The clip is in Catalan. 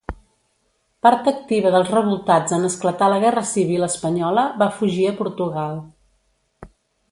Part activa dels revoltats en esclatar la guerra civil espanyola va fugir a Portugal.